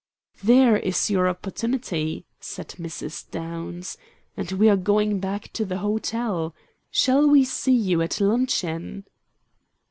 "There is your opportunity," said Mrs. Downs; "and we are going back to the hotel. Shall we see you at luncheon?"